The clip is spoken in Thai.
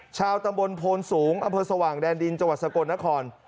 ชาวตำบลโพนสูงอำเภอสว่างแดนดินจังหวัดสกลนคร